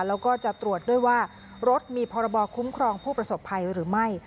แล้วก็จะตรวจด้วยว่ารถมีพรบคุ้มครองผู้ประสบภัยหรือไม่